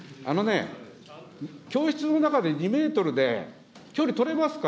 あのね、教室の中で２メートルで、距離取れますか。